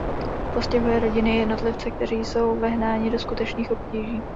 Postihuje rodiny i jednotlivce, kteří jsou vehnáni do skutečných obtíží.